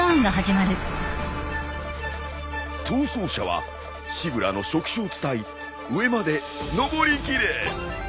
逃走者はシブラーの触手を伝い上まで登り切れ。